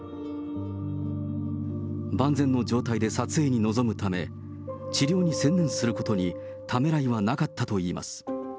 万全の状態で撮影に臨むため、治療に専念することにためらいはなかったといいます。